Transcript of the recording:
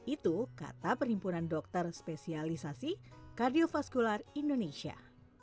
itu kata perhimpunan dokter spesialisasi kardiofaskular indonesia